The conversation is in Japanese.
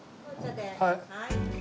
はい。